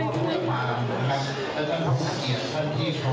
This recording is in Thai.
ขอบคุณนะครับคุณ